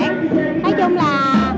nói chung là